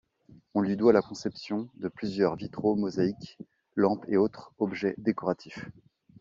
On lui doit la conception de plusieurs vitraux, mosaïques, lampes et autres objets décoratifs.